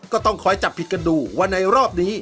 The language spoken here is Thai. ก็ต้องคอยจับผิดกันดูว่าในรอบนี้